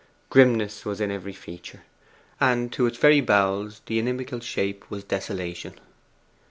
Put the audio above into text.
Grimness was in every feature, and to its very bowels the inimical shape was desolation.